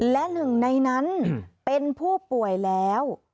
และหนึ่งในนั้นเป็นผู้ป่วยแล้ว